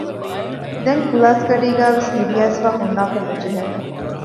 ދެން ކުލާސްގަޑީގައިވެސް ނިދިއައިސްފައި ހުންނާކަށް ނުޖެހޭނެ